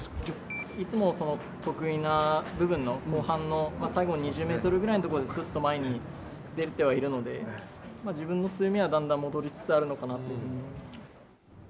いつも得意な部分の後半の、最後の２０ｍぐらいのところですっと前に出れてはいるので自分の強みはだんだん戻りつつあるのかなと思います。